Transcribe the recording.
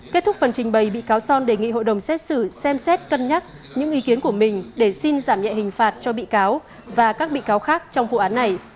kết thúc phần trình bày bị cáo son đề nghị hội đồng xét xử xem xét cân nhắc những ý kiến của mình để xin giảm nhẹ hình phạt cho bị cáo và các bị cáo khác trong vụ án này